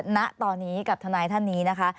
ณตอนนี้กับทนายท่านนี้นะคะ